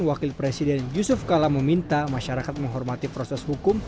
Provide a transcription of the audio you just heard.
wakil presiden yusuf kala meminta masyarakat menghormati proses hukum